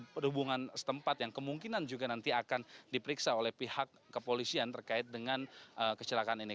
perhubungan setempat yang kemungkinan juga nanti akan diperiksa oleh pihak kepolisian terkait dengan kecelakaan ini